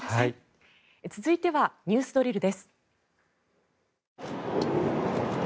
続いてはＮＥＷＳドリルです。